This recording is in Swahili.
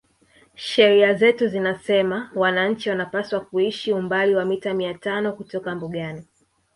Sheria zetu zinasema wananchi wanapaswa kuishi umbali wa mita mia tano kutoka mbugani